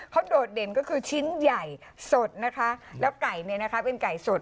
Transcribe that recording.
เขาโดดเด่นก็คือชิ้นใหญ่สดนะคะแล้วไก่เนี่ยนะคะเป็นไก่สด